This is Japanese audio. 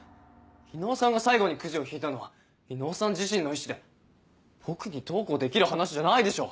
伊能さんが最後にくじを引いたのは伊能さん自身の意思で僕にどうこうできる話じゃないでしょ。